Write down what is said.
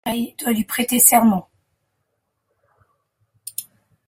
Breil doit lui prêter serment.